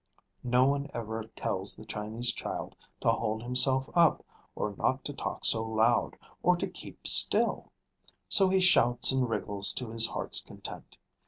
No one ever tells the Chinese child to hold himself up, or not to talk so loud, or to keep still; so he shouts and wriggles to his heart's content.